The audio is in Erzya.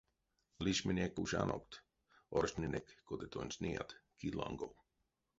Лишменек уш анокт, оршнинек, кода тонсь неят, ки лангов.